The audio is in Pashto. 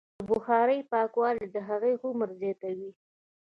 د بخارۍ پاکوالی د هغې عمر زیاتوي.